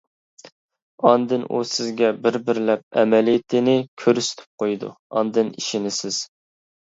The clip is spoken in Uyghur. ئاندىن ئۇ سىزگە بىر-بىرلەپ ئەمەلىيىتىنى كۆرسىتىپ قويىدۇ، ئاندىن ئىشىنىسىز.